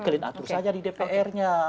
kalian atur saja di dpr nya